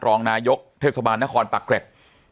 รองนายกเทศบาลนครปักเกร็ด